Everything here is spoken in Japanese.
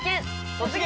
「突撃！